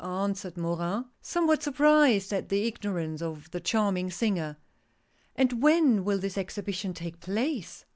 answered Morin, somewhat surprised at the ignorance of the charming singer. " And when will this Exhibition take place